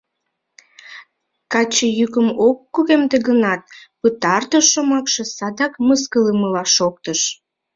— Качий йӱкым ок кугемде гынат, пытартыш шомакше садак мыскылымыла шоктыш.